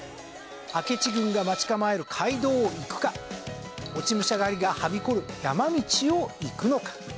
明智軍が待ち構える街道を行くか落武者狩りがはびこる山道を行くのか。